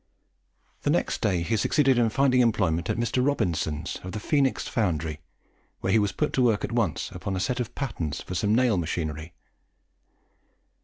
The next day he succeeded in finding employment at Mr. Robinson's, of the Phoenix Foundry, where he was put to work at once upon a set of patterns for some nail machinery.